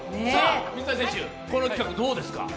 水谷選手、この企画どうですか？